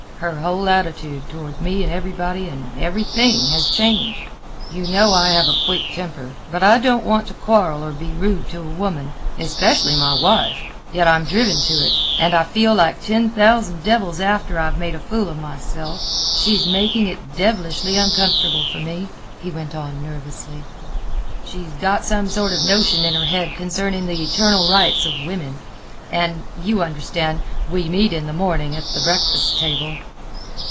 Her whole attitude—toward me and everybody and everything—has changed. You know I have a quick temper, but I don't want to quarrel or be rude to a woman, especially my wife; yet I'm driven to it, and feel like ten thousand devils after I've made a fool of myself. She's making it devilishly uncomfortable for me," he went on nervously. "She's got some sort of notion in her head concerning the eternal rights of women; and—you understand—we meet in the morning at the breakfast table."